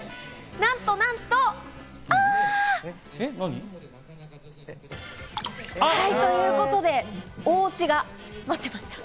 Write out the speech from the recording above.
なんとなんと、あ！ということで、オチが待ってました。